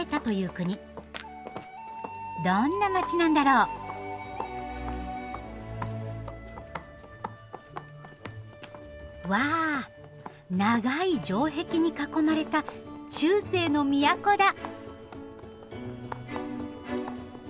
どんな街なんだろう？わ長い城壁に囲まれた中世の都だ！